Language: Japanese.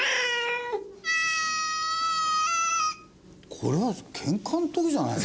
これはケンカの時じゃないの？